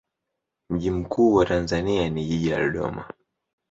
Mji mkuu wa Tanzania ni jiji la Dodoma.